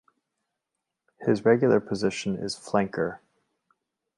His regular position is flanker.